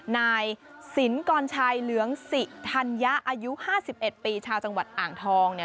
นายศิลป์ก่อนชายเหลืองศิษย์ธัญญาอายุ๕๑ปีชาวจังหวัดอ่างทองเนี่ย